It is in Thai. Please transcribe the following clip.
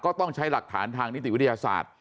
ก็ต้องใช้หลักฐานทางนิติวิทยาศาสตร์